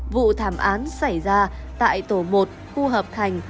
vụ thảm án xảy ra tại tổ một khu hợp thành